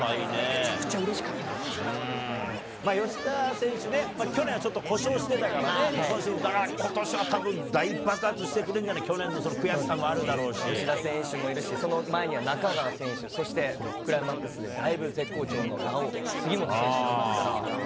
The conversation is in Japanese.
めちゃくちゃうれしかったで吉田選手ね、去年はちょっと故障してたからね、日本シリーズ、だから、ことしはたぶん大爆発してくれるんじゃない、去年のその悔しさもあるだろ吉田選手もいるし、その前にはなかがわ選手、そして、クライマックスでだいぶ絶好調のらおう、杉本選手もいますから。